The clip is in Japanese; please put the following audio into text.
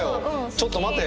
ちょっと待って。